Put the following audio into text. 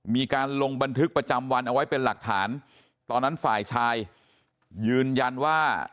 มีการลงบันทึกประจำวันเอาไว้เป็นหลักฐานตอนนั้นฝ่ายชายยืนยันว่า